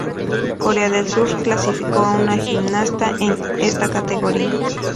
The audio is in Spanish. Corea del Sur clasificó a una gimnasta en esta categoría.